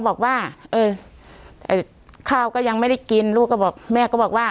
บอกว่าเออข้าวก็ยังไม่ได้กินลูกก็บอกแม่ก็บอกว่า